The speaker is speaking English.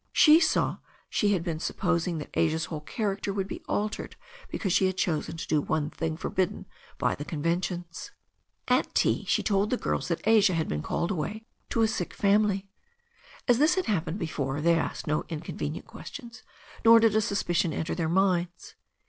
She saw she had been sup posing that Asia's whole character would be altered because she had chosen to do one thing forbidden by the conven tions. At tea she told the girls that Asia had been called away to a sick family. As this had happened before, they asked no inconvenient questions, nor did a suspicion enter their minds.